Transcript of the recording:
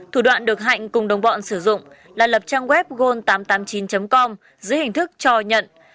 thủ đoạn được hạnh cùng đồng bọn sử dụng là lập trang web gold tám trăm tám mươi chín com dưới hình thức cho nhận